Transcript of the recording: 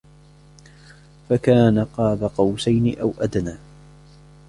فَكَانَ قَابَ قَوْسَيْنِ أَوْ أَدْنَى